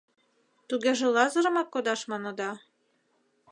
— Тугеже Лазырымак кодаш маныда?